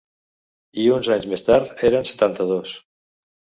I uns anys més tard eren setanta-dos.